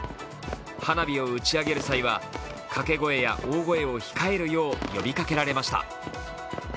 花火を打ち上げる際は掛け声や大声を控えるよう呼びかけられました。